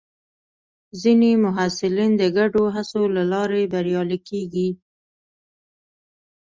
ځینې محصلین د ګډو هڅو له لارې بریالي کېږي.